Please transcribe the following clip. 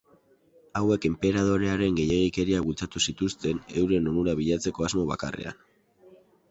Hauek enperadorearen gehiegikeriak bultzatu zituzten euren onura bilatzeko asmo bakarrean.